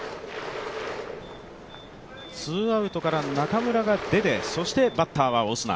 ツーアウトから中村が出て、そしてバッターはオスナ。